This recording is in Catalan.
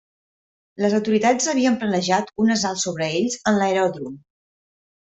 Les autoritats havien planejat un assalt sobre ells en l'aeròdrom.